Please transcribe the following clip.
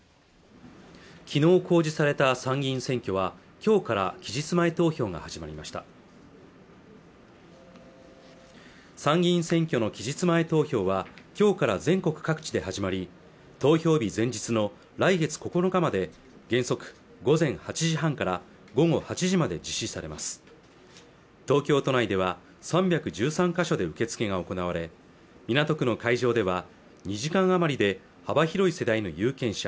きのう公示された参議院選挙は今日から期日前に投票が始まりました参議院選挙の期日前投票はきょうから全国各地で始まり投票日前日の来月９日まで原則午前８時半から午後８時まで実施されます東京都内では３１３か所で受け付けが行われ港区の会場では２時間余りで幅広い世代の有権者